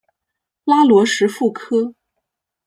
拉罗什富科。